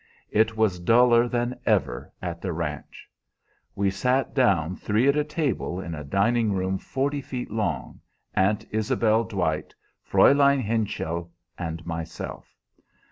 It was duller than ever at the ranch. We sat down three at table in a dining room forty feet long, Aunt Isabel Dwight, Fräulein Henschel, and myself.